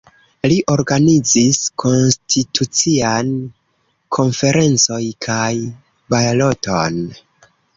Li organizis konstitucian konferencoj kaj baloton.